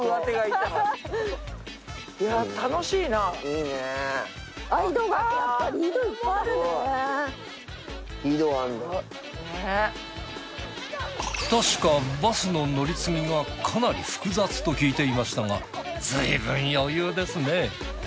たしかバスの乗り継ぎがかなり複雑と聞いていましたがずいぶん余裕ですね。